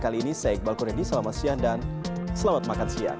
kali ini saya iqbal kurniadi selamat siang dan selamat makan siang